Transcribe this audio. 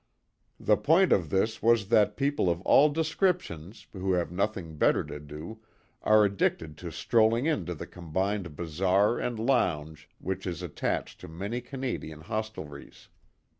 The point of this was that people of all descriptions who have nothing better to do are addicted to strolling into the combined bazaar and lounge which is attached to many Canadian hostelries.